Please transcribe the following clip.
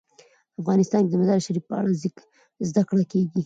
افغانستان کې د مزارشریف په اړه زده کړه کېږي.